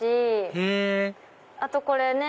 へぇあとこれね。